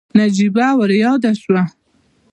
نجيبه ورياده شوه.